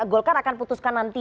golkar akan putuskan nanti